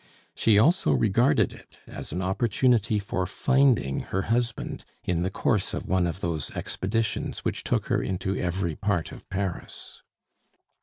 She also regarded it as an opportunity for finding her husband in the course of one of those expeditions which took her into every part of Paris.